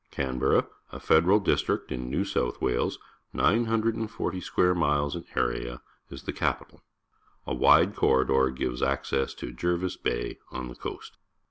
Canberm, a federal dis trict in New South Wales, 940 square miles in area, is the capita l. A wide corridor gives access to Jervis Bay on the coast.